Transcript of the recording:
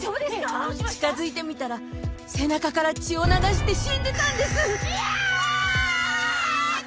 近づいてみたら背中から血を流して死んでたんです！